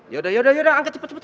ya udah ya udah angkat cepet cepet